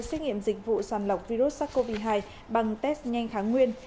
xét nghiệm dịch vụ sàng lọc virus sars cov hai bằng test nhanh kháng nguyên